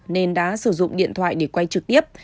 nên đã sử dụng điện thoại để quay trực tiếp